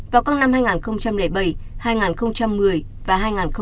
vào các năm hai nghìn bảy hai nghìn một mươi và hai nghìn một mươi